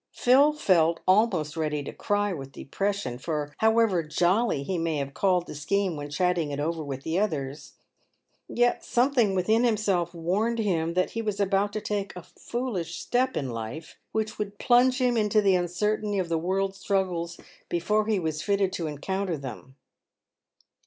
Phil felt almost ready to cry with depression, for however "jolly" he may have called the scheme when chatting it over with the others, yet something within himself warned him that he was about to take a foolish step in life, which would plunge him into the uncertainty of the world's struggles before he was fitted to encounter them.